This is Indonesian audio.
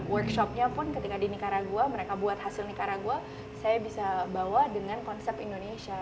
workshopnya pun ketika di nikaragua mereka buat hasil nikaragua saya bisa bawa dengan konsep indonesia